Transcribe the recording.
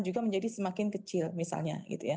juga menjadi semakin kecil misalnya